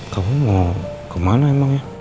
kamu mau kemana emangnya